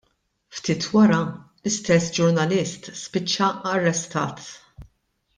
Ftit wara, l-istess ġurnalist spiċċa arrestat.